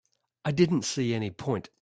I didn't see any point.